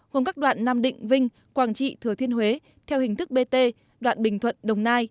gồm các đoạn nam định vinh quảng trị thừa thiên huế theo hình thức bt đoạn bình thuận đồng nai